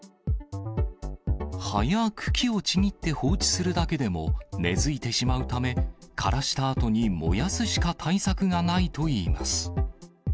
葉や茎をちぎって放置するだけでも、根づいてしまうため、枯らしたあとに燃やすしか対策がないといいます。